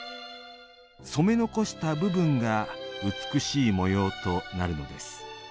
染め残した部分が美しい模様となるのです。